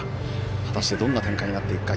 果たしてどんな展開になっていくか。